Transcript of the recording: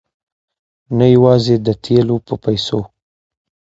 نه یوازې د تېلو په پیسو.